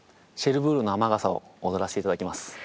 『シェルブールの雨傘』を踊らせていただきます。